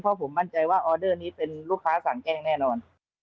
เพราะผมมั่นใจว่าออเดอร์นี้เป็นลูกค้าสั่งแกล้งแน่นอน